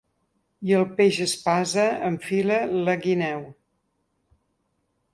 I el peix espasa enfila la guineu.